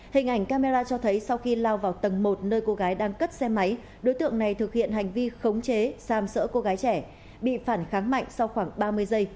hình ảnh camera cho thấy sau khi lao vào tầng một nơi cô gái đang cất xe máy đối tượng này thực hiện hành vi khống chế xam sỡ cô gái trẻ bị phản kháng mạnh sau khoảng ba mươi giây